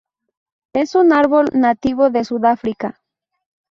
Es un árbol nativo de Sudáfrica.